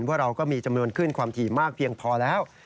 ว่าเราก็มีจำนวนขึ้นความถี่มากเพียงพอแล้ว